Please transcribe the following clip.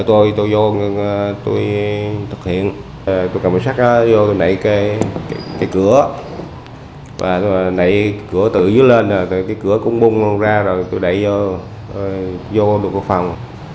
tôi thực hiện tôi cầm sắt vô tôi nảy cái cửa nảy cửa tự dưới lên rồi cái cửa cũng bung ra rồi tôi đẩy vô vô được cái phòng